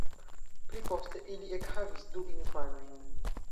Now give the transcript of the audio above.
Pliposte ili ekhavis du infanojn.